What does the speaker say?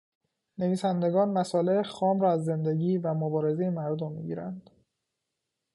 نویسندگان مصالح خام را از زندگی و مبارزهٔ مردم میگیرند.